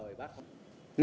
nếu trong cuộc sống